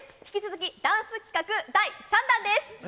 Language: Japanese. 引き続き、ダンス企画第３弾です。